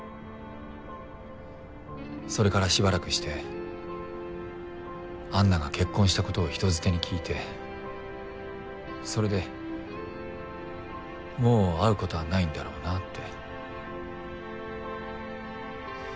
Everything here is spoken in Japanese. それからしばらくして安奈が結婚したことを人づてに聞いてそれでもう会うことはないんだろうなって。